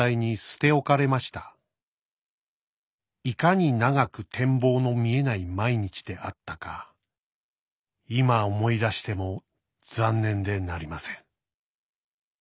いかに長く展望の見えない毎日であったか今思い出しても残念でなりません」。